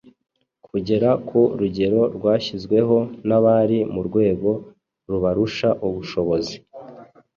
kugera ku rugero rwashyizweho n’abari mu rwego rubarusha ubushobozi.